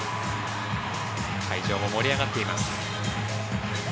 会場も盛り上がっています。